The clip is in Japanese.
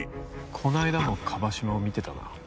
この間も椛島を見てたな。